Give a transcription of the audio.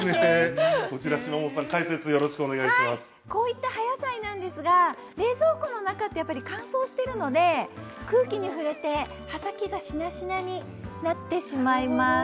こういった葉野菜なんですが、冷蔵庫の中って乾燥しているので空気に触れて葉先がしなしなになってしまいます。